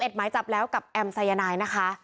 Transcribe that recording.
หมายจับแล้วกับแอมสายนายนะคะ